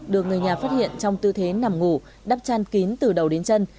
được người nhà phát hiện trong tư thế nằm ngủ đắp chăn kín từ đầu đến chân